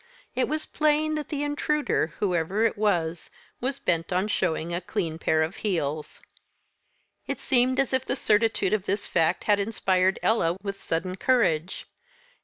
It was plain that the intruder, whoever it was, was bent on showing a clean pair of heels. It seemed as if the certitude of this fact had inspired Ella with sudden courage.